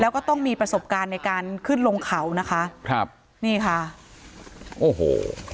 แล้วก็ต้องมีประสบการณ์ในการขึ้นลงเขานะคะครับนี่ค่ะโอ้โห